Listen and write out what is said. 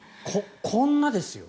こんなですよ。